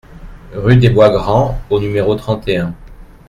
Rue des Bois Grands au numéro trente et un